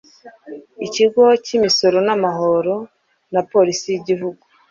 Ikigo cy’ imisoro n’ amahoro na Polisi y’ Igihugu.